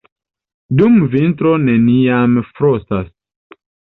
Dum vintro neniam frostas.